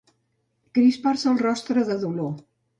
Crispar-se el rostre de dolor.